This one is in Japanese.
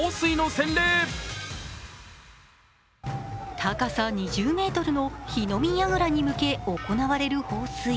高さ２０ｍの火の見やぐらに向け行われる放水。